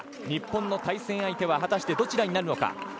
日本の対戦相手は果たしてどちらになるのか。